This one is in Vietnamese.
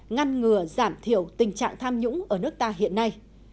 ngăn ngừa giảm thiểu tình trạng tham nhũng ở nước ta hiện nay